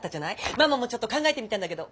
ママもちょっと考えてみたんだけど。